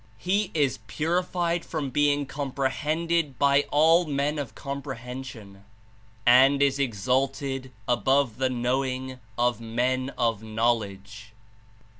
He is purified from being comprehended by all men of comprehension, and is ex alted above the knowing of men of knowledge.'